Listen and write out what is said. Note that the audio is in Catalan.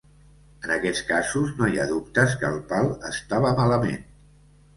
En aquests casos no hi ha dubtes que el pal estava malament.